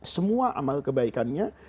semua amal kebaikannya